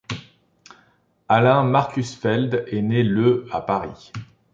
Alain Markusfeld est né le à Paris.